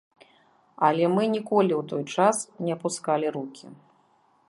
Але мы ніколі ў той час не апускалі рукі.